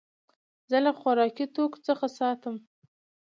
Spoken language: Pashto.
زه له خوراکي توکو څخه ساتم.